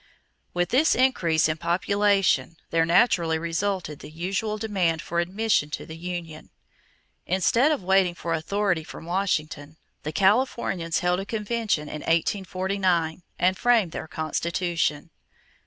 _ With this increase in population there naturally resulted the usual demand for admission to the union. Instead of waiting for authority from Washington, the Californians held a convention in 1849 and framed their constitution.